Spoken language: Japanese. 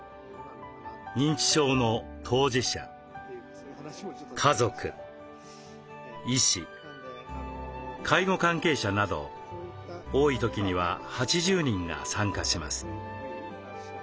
認知症の当事者家族医師介護関係者など多い時には８０人が参加します。